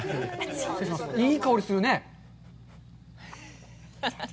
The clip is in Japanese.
いい香りするね。